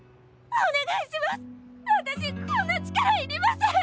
お願いします！